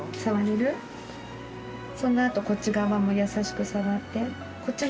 そのあとこっち側も優しく触って。